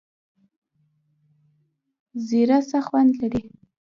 زیره څه خوند لري؟